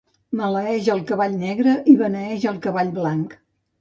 Maleeix el cavall negre i beneeix el cavall blanc.